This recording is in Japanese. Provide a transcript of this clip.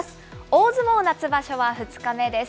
大相撲夏場所は２日目です。